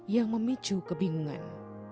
yang memicu kebingungan